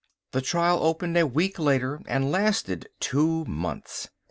The trial opened a week later, and lasted two months.